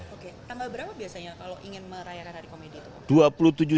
oke tambah berapa biasanya kalau ingin merayakan hari komedi